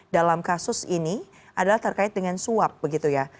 dalam kasus ini adalah terkait dengan suap begitu ya